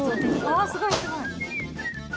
あっすごいすごい。